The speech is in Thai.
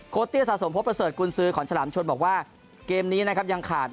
เตี้ยสะสมพบประเสริกุญสือของฉลามชนบอกว่าเกมนี้นะครับยังขาด